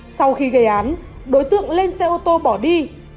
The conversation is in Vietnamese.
sau khi gây án đối tượng lên xe ô tô bỏ đi